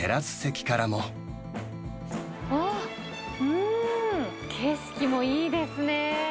おー、うーん、景色もいいですね。